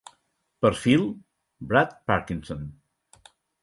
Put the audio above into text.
Perfil: Brad Parkinson.